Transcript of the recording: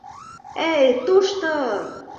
Э-э, тушто!..